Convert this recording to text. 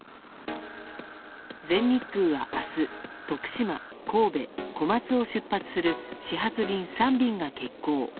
全日空は明日徳島、神戸、小松を出発する始発便３便が欠航。